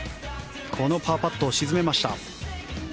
このパーパット、沈めました。